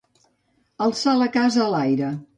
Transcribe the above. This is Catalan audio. Alçar la casa a l'aire.